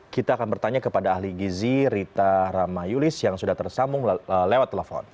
kita akan bertanya kepada ahli gizi rita ramayulis yang sudah tersambung lewat telepon